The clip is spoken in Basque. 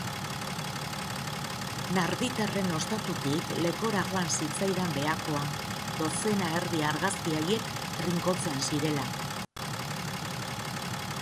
Narditarren ostatutik lekora joan zitzaidan behakoa, dozena erdi argazki haiek trinkotzen zirela.